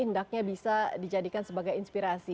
hendaknya bisa dijadikan sebagai inspirasi